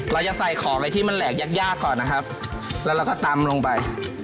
เราจะใส่ของอะไรที่มันแหลกยากยากก่อนนะครับแล้วเราก็ตำลงไป